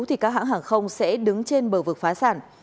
thì các hãng hàng không sẽ đứng trên bờ vực phá sản